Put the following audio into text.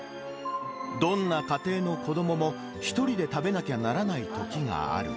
どんな家庭の子どもも、一人で食べなきゃならないときがある。